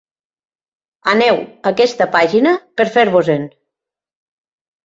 Aneu a aquesta pàgina per a fer-vos-en.